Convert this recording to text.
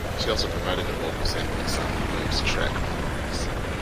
She also provided the vocal sample in Simon Webbe's track, No Worries.